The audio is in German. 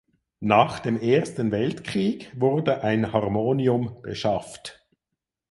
Nach dem Ersten Weltkrieg wurde ein Harmonium beschafft.